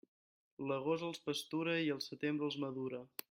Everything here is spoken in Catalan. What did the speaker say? L'agost els pastura i el setembre els madura.